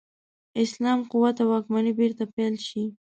اسلام قوت او واکمني بیرته پیل شي.